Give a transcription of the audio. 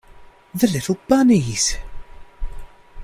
The little bunnies!